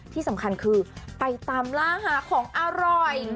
ที่สำคัญคือไปตามล่าหาของอร่อย